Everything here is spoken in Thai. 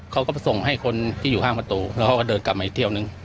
เขาก็ไปส่งให้คนที่อยู่ข้างประตูแล้วเขาก็เดินกลับมาอีกเที่ยวนึง